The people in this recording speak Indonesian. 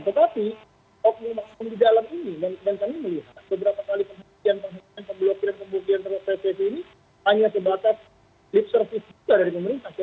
tetapi waktu ini masuk di dalam ini dan saya melihat beberapa kali pembuatan pembuatan presiden ini hanya sebatas lip service juga dari pemerintah